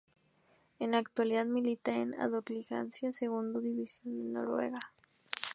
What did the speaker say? En la actualidad milita en la Adeccoligaen o segunda división noruega.